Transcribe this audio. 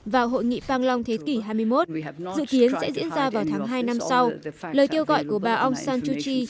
vào hội nghị phàng long thế kỷ hai mươi một dự kiến sẽ diễn ra vào tháng hai năm sau lời kêu gọi của bà aung san suu kyi